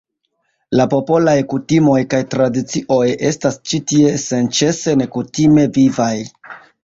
La popolaj kutimoj kaj tradicioj estas ĉi tie senĉese nekutime vivaj.